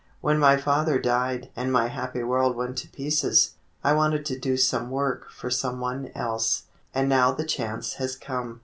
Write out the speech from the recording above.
When my father died and my happy world went to pieces, I wanted to do some work for some one else, and now the chance has come."